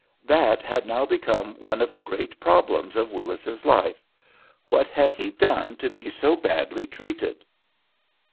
That had now become one of the great problems of Willis's life. What had he done to be so badly treated?